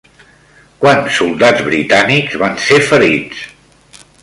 Quants soldats britànics van ser ferits?